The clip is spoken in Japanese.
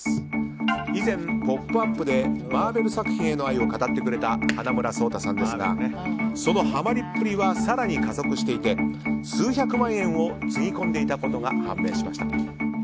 以前、「ポップＵＰ！」でマーベル作品への愛を語ってくれた花村想太さんですがそのハマりっぷりは更に加速していて数百万円をつぎ込んでいたことが判明しました。